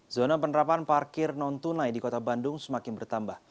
zona penerapan parkir non tunai di kota bandung semakin bertambah